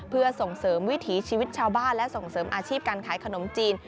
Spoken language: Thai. เพื่อส่งเสริมวิถีชีวิตชาวบ้านและส่งเสริมอาชีพการขายขนมจีน